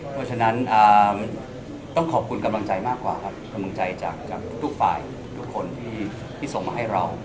เพราะฉะนั้นต้องขอบคุณกำลังใจมากกว่าครับกำลังใจจากทุกฝ่ายทุกคนที่ส่งมาให้เรา